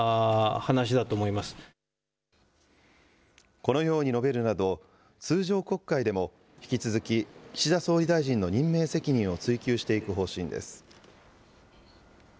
このように述べるなど、通常国会でも引き続き、岸田総理大臣の任命責任を追及していく方針です。